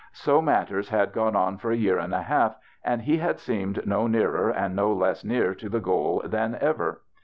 So matters had gone for a year and a half, and he had seemed no nearer and no less near to the goal than ever.